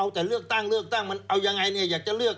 เอาแต่เลือกตั้งแม้เอายังไงอยากจะเลือก